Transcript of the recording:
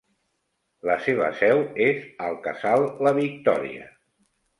La seva seu és al Casal La Victòria.